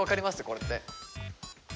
これって。